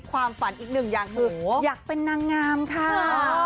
ความฝันอีกหนึ่งอย่างคืออยากเป็นนางงามค่ะ